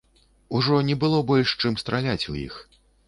Ужо не было больш чым страляць у іх.